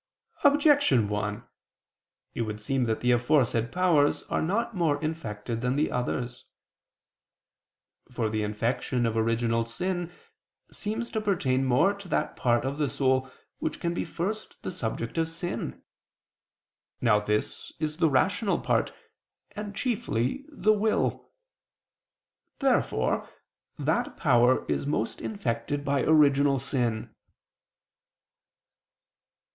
Objection 1: It would seem that the aforesaid powers are not more infected than the others. For the infection of original sin seems to pertain more to that part of the soul which can be first the subject of sin. Now this is the rational part, and chiefly the will. Therefore that power is most infected by original sin.